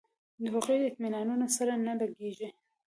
د هغو اطمینانونو سره نه لګېږي.